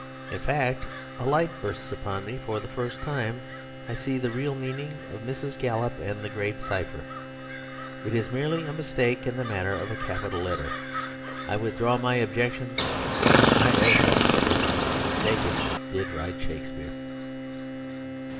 In fact, a light bursts upon me; for the first time I see the real meaning of Mrs. Gallup and the Great Cipher. It is merely a mistake in the matter of a capital letter. I withdraw my objections; I accept everything; bacon did write Shakespeare."